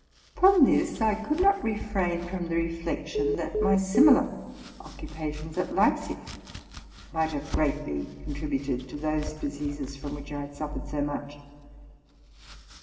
Upon this I could not refrain from the reflection, that my similar occupations at Leipzig might have greatly contributed to those diseases from which I had suffered so much.